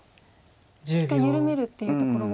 １回緩めるっていうところを。